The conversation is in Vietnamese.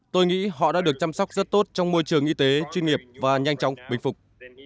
tôi nghĩ họ đã được chăm sóc rất tốt trong môi trường y tế chuyên nghiệp và nhanh chóng bình phục